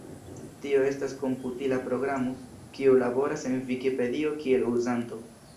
Tio estas komputila programo, kiu laboras en Vikipedio kiel uzanto.